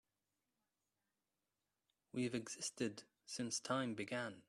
We've existed since time began.